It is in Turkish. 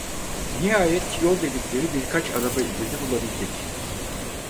Nihayet yol dedikleri birkaç araba izini bulabildik.